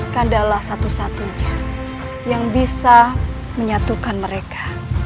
kandalah satu satunya yang bisa menyatukan mereka